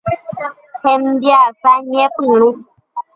Hembiasa ñepyrũ.